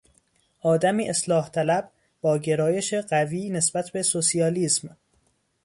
آدمی اصلاحطلب با گرایش قوی نسبت به سوسیالیسم